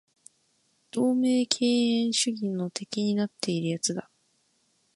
同盟敬遠主義の的になっている奴だ